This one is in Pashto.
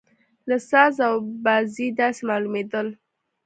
له ساز او بازه یې داسې معلومېدل.